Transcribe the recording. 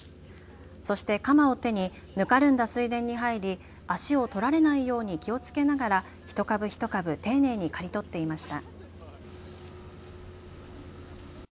そして鎌を手にぬかるんだ水田に入り、足を取られないように気をつけながら一株一株丁寧に刈り取っていました。